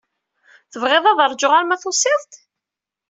Tebɣiḍ ad ṛjuɣ arma tusiḍ-d?